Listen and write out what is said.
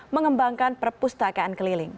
mengembangkan perpustakaan keliling